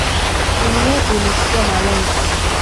Timu yetu imfikiya malengo